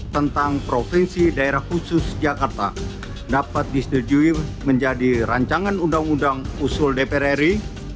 tentang provinsi daerah khusus jakarta dapat disetujui menjadi rancangan undang undang usul dpr ri